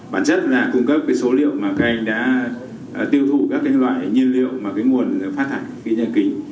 bản chất là cung cấp số liệu mà các anh đã tiêu thụ các loại nhiên liệu mà nguồn phát thải khí nhà kính